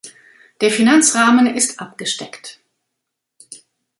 Der Finanzrahmen ist abgesteckt.